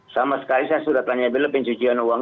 sama sekali saya sudah tanya beliau pencucian uang